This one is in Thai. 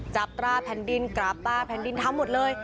ตราแผ่นดินกราบตาแผ่นดินทำหมดเลย